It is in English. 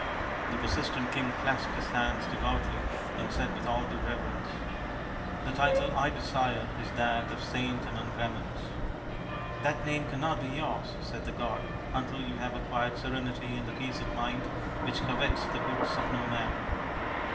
The persistent king clasped his hands devoutly and said with all due reverence, "The title I desire is that of Saint SABALA, THE SACRED COW 217 among Brahmans." " That name cannot be yours," said the god, " until you have acquired serenity and the peace of mind which covets the goods of no man.